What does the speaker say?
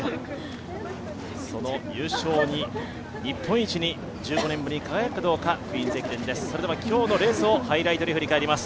その優勝に、日本一に１５年ぶりに輝くかどうか、「クイーンズ駅伝」です。